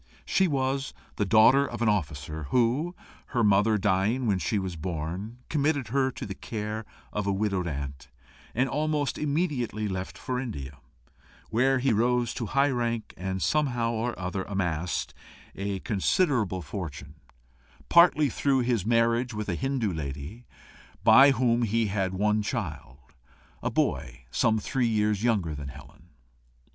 She was the daughter of an officer, who, her mother dying when she was born, committed her to the care of a widowed aunt, and almost immediately left for India, where he rose to high rank, and somehow or other amassed a considerable fortune, partly through his marriage with a Hindoo lady, by whom he had one child, a boy some three years younger than Helen.